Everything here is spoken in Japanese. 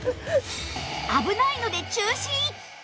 危ないので中止！